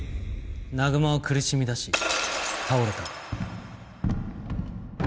南雲は苦しみだし倒れた。